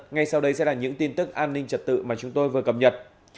ngay sau đây sẽ là những tin tức an ninh trật tự mà chúng tôi vừa cập nhật